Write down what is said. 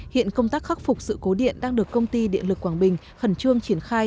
hiện công tác khắc phục sự cố điện đang được công ty điện lực quảng bình khẩn trương triển khai